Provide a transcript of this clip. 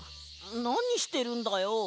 なにしてるんだよ？